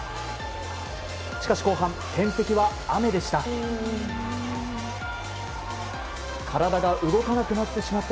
しかし後半、天敵は雨でした。